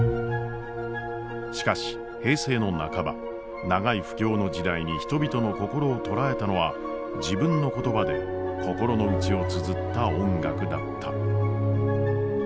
しかし平成の半ば長い不況の時代に人々の心を捉えたのは自分の言葉で心の内をつづった音楽だった。